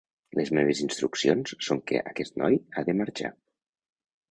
Les meves instruccions són que aquest noi ha de marxar.